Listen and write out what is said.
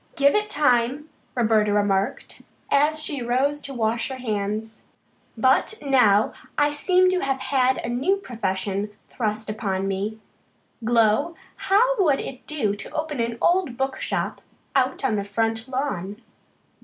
"Give it time," Roberta remarked as she rose to wash her hands. "But now I seem to have had a new profession thrust upon me. Glow, how would it do to open an old book shop out on the front lawn?"